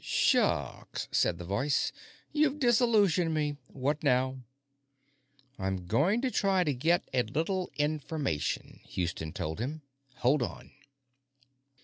"Shucks," said the voice, "you've disillusioned me. What now?" "I'm going to try to get a little information," Houston told him. "Hold on."